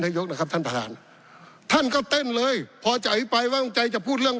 ยกนะครับท่านประธานท่านก็เต้นเลยพอจะอภิปรายว่างใจจะพูดเรื่อง